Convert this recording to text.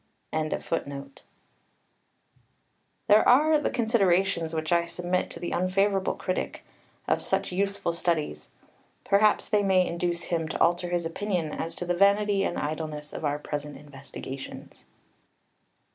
] These are the considerations which I submit to the unfavourable critic of such useful studies. Perhaps they may induce him to alter his opinion as to the vanity and idleness of our present investigations.